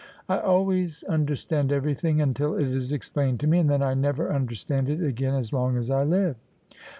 * I always understand everything until it is explained to me: and then I never understand it again as long as I live."